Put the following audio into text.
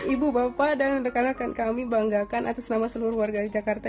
ibu bapak dan rekan rekan kami banggakan atas nama seluruh warga jakarta